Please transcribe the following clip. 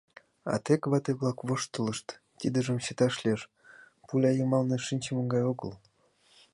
А тек вате-влак воштылышт, тидыжым чыташ лиеш, пуля йымалне шинчыме гай огыл».